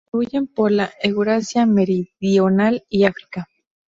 Se distribuyen por la Eurasia meridional y África.